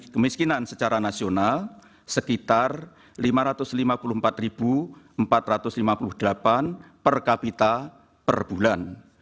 kemiskinan secara nasional sekitar lima ratus lima puluh empat empat ratus lima puluh delapan per kapita per bulan